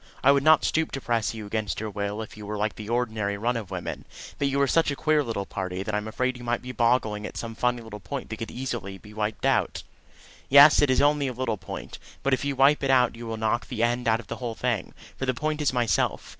I would not stoop to press you against your will if you were like the ordinary run of women; but you are such a queer little party, that I'm afraid you might be boggling at some funny little point that could easily be wiped out." "Yes; it is only a little point. But if you wipe it out you will knock the end out of the whole thing for the point is myself.